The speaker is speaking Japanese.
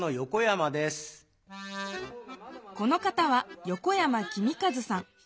この方は横山仁一さん。